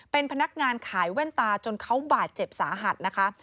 เป็นพนักงานขายแว่นตาจนเขาบาดเจ็บสาหัสนะคะ